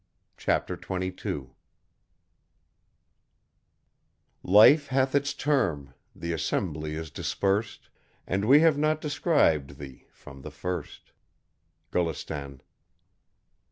CHAPTER XXII "Life hath its term, the assembly is dispersed, And we have not described Thee from the first." GULISTAN.